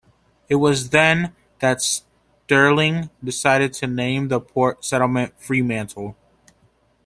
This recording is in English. It was then that Stirling decided to name the port settlement "Fremantle".